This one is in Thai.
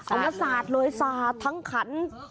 มาสาดเลยสาดทั้งขัน